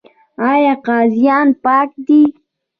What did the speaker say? آیا قاضیان پاک دي؟